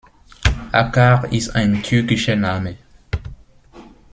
Acar ist ein türkischer Name.